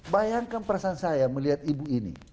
bayangkan perasaan saya melihat ibu ini